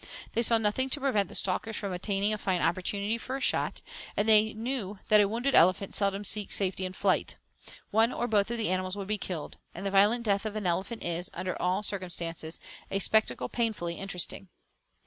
They saw nothing to prevent the stalkers from obtaining a fine opportunity for a shot; and they knew that a wounded elephant seldom seeks safety in flight. One or both of the animals would be killed; and the violent death of an elephant is, under all circumstances, a spectacle painfully interesting.